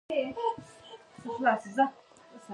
یو فکر چې بیا بیا لاشعور ته رسیږي